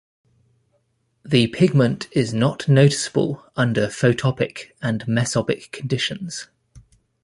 The pigment is not noticeable under photopic and mesopic conditions.